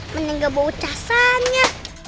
mendingan bau casanya